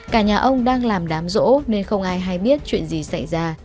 cả nhà ông đang làm đám rỗ nên không ai hay biết chuyện gì xảy ra